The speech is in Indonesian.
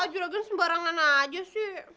juragan sembarangan aja sih